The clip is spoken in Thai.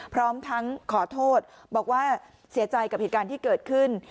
พร้อมทั้งขอโทษบอกว่าเสียใจกับเหตุการณ์ที่เกิดขึ้น